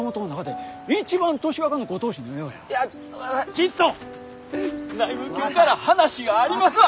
きっと内務から話がありますわ！